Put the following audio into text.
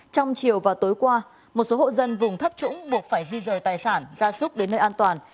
trong chiều và tối qua một số hộ dân vùng thấp trũng buộc phải di rời tài sản gia súc đến nơi an toàn